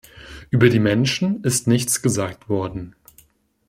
Über die Menschen ist nichts gesagt worden.